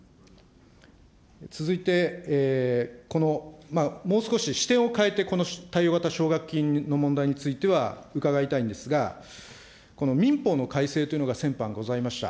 続いて、この、もう少し視点を変えて、この貸与型奨学金の問題については伺いたいんですが、民法の改正というのが先般ございました。